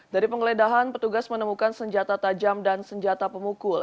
dari penggeledahan petugas menemukan senjata tajam dan senjata pemukul